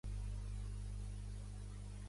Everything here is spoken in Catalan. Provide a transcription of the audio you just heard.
El seu cognom és Biosca: be, i, o, essa, ce, a.